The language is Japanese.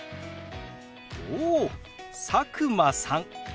おお佐久間さんですね。